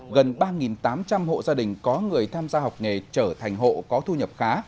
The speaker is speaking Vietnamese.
gần ba tám trăm linh hộ gia đình có người tham gia học nghề trở thành hộ có thu nhập khá